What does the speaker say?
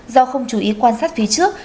do không chú ý quan sát phía trước